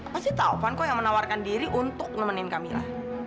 pasti taufan kok yang menawarkan diri untuk nemenin kamila